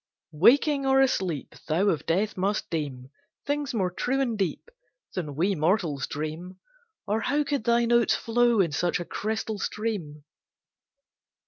Waking or asleep, Thou of death must deem Things more true and deep Than we mortals dream, Or how could thy notes flow in such a crystal stream?